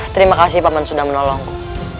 terima kasih paman sudah menolongku